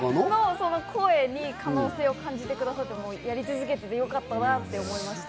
その声に可能性を感じてくださって、やり続けていてよかったなと思いました。